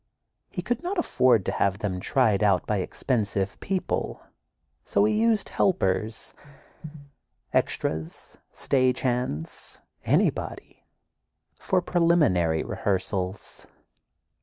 He could not afford to have them tried out by expensive people, so he used helpers—extras, stage hands, anybody—for preliminary rehearsals.